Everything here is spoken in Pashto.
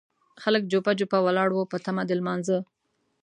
خلک جوپه جوپه ولاړ وو په تمه د لمانځه.